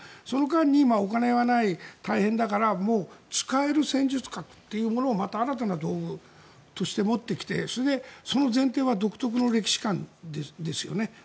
その間にお金がない大変だからもう使える戦術核というものをまた新たな道具として持ってきてその前提は独特の歴史感ですよね。